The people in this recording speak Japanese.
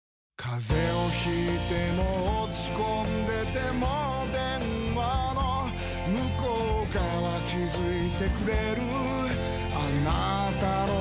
風邪を引いても落ち込んでても電話の向こう側気付いてくれるあなたの声